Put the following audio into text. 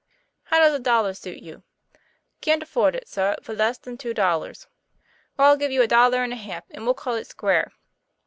" How does a dollar suit you ?" "Can't afford it, sah, for less than two dollars." "Well, I'll give you a dollar and a half; and we'll call it square."